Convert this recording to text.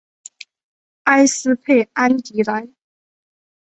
埃斯佩安迪兰。